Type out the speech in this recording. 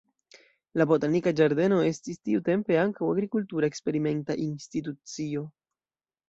La botanika ĝardeno estis tiutempe ankaŭ agrikultura eksperimenta institucio.